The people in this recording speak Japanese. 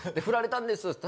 「フラれたんです」